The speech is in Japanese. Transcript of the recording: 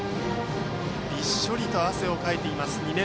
びっしょりと汗をかいている十川投手です。